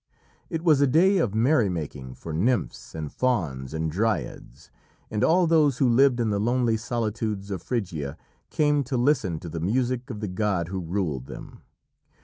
It was a day of merry making for nymphs and fauns and dryads, and all those who lived in the lonely solitudes of Phrygia came to listen to the music of the god who ruled them.